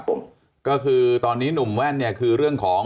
เมื่อคืนนี้ก็มาที่โรงพักษณ์หลายคนเหมือนกัน